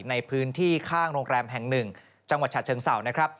ในพื้นที่ข้างโรงแรมแห่งหนึ่งจังหวัดฉันเชิงเสาร์